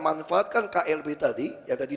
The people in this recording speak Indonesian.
manfaatkan klb tadi yang tadi